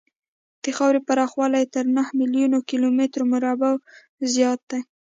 د خاورې پراخوالی یې تر نهو میلیونو کیلومترو مربعو زیات دی.